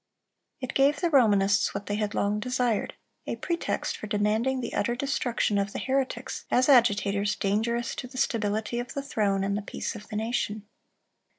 It gave the Romanists what they had long desired,—a pretext for demanding the utter destruction of the heretics as agitators dangerous to the stability of the throne and the peace of the nation.